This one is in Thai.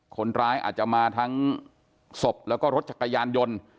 คนร้ายอาจจะมาทั้งศพแล้วก็รถจักรยานยนต์